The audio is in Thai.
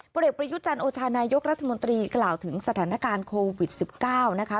เด็กประยุจันทร์โอชานายกรัฐมนตรีกล่าวถึงสถานการณ์โควิด๑๙นะคะ